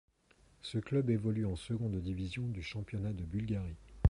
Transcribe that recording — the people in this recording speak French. Ce club évolue en seconde division du championnat de Bulgarie.